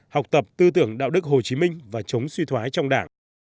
học tập tư tưởng đạo đức hồ chí minh và chống suy thoái trong đảng